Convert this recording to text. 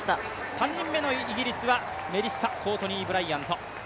３人目のイギリスはコートニーブライアント。